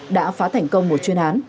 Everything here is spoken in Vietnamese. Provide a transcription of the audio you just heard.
đã phá thành công một chuyên án